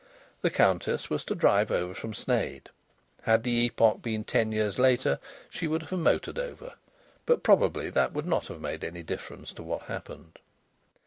The Countess was to drive over from Sneyd. Had the epoch been ten years later she would have motored over. But probably that would not have made any difference to what happened.